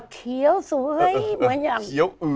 เกี้ยวมาก